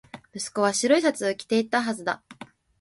息子は白いシャツを着ていたはずだ